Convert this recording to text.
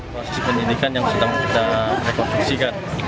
proses penyelidikan yang sudah kita rekonstruksikan ya